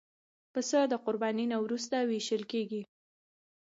پسه د قربانۍ نه وروسته وېشل کېږي.